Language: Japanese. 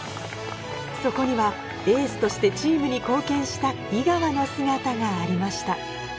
そこにはエースとしてチームに貢献した井川の姿がありました